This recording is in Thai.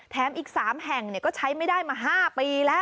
แถมอีก๓แห่งก็ใช้ไม่ได้มา๕ปีแล้ว